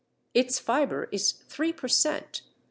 Its fibre is 3 per cent.